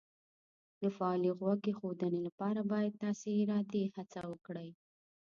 د فعالې غوږ ایښودنې لپاره باید تاسې ارادي هڅه وکړئ